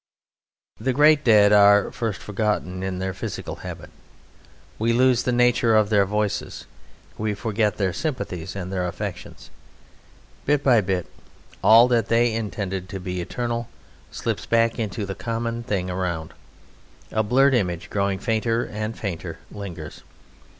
The great dead are first forgotten in their physical habit; we lose the nature of their voices, we forget their sympathies and their affections. Bit by bit all that they intended to be eternal slips back into the common thing around. A blurred image, growing fainter and fainter, lingers.